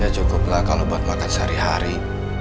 ya cukuplah kalau buat makan sehari hari